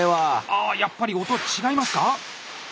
ああやっぱり音違いますか？